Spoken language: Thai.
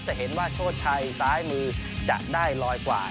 จะเห็นว่าโชชัยซ้ายมือจะได้ลอยกว่า